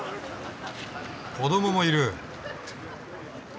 子どももいる。